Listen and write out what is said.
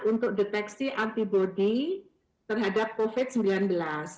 untuk deteksi antibody terhadap covid sembilan belas